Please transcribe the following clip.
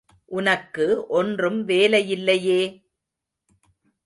உனக்கு ஒன்றும் வேலையில்லையே!